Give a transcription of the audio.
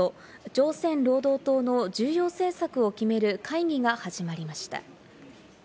朝鮮労働党の重要政策を決める会議が始まりました。